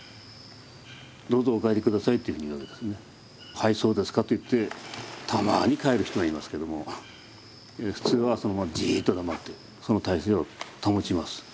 はいそうですかと言ってたまに帰る人がいますけども普通はそのままじっと黙ってその体勢を保ちます。